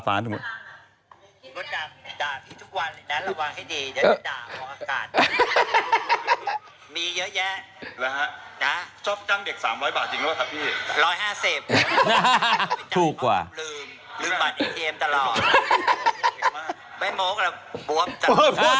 ไม่มองอะไรบวบจัดการ